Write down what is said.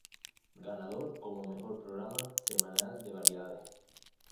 Ganador como mejor programa semanal de variedades.